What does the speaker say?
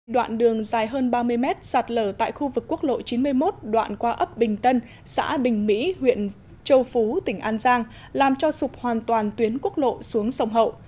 đoạn đường dài hơn ba mươi mét sạt lở tại khu vực quốc lộ chín mươi một đoạn qua ấp bình tân xã bình mỹ huyện châu phú tỉnh an giang làm cho sụp hoàn toàn tuyến quốc lộ xuống sông hậu